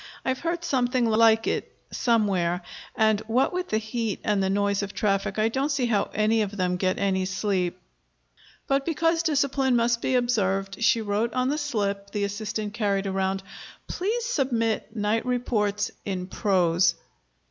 "I've heard something like it somewhere, and, what with the heat and the noise of traffic, I don't see how any of them get any sleep." But, because discipline must be observed, she wrote on the slip the assistant carried around: "Please submit night reports in prose."